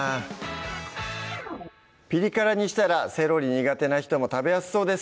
ピリ辛にしたらセロリ苦手な人も食べやすそうです